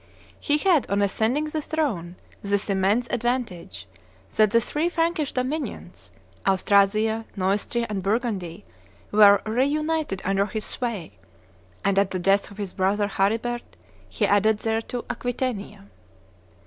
He had, on ascending the throne, this immense advantage, that the three Frankish dominions, Austrasia, Neustria, and Burgundy were re united under his sway; and at the death of his brother Charibert, he added thereto Aquitania.